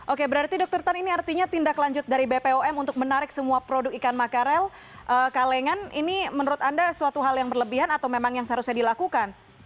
oke berarti dokter tan ini artinya tindak lanjut dari bpom untuk menarik semua produk ikan makarel kalengan ini menurut anda suatu hal yang berlebihan atau memang yang seharusnya dilakukan